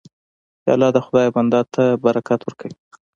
پیاله د خدای بنده ته برکت ورکوي.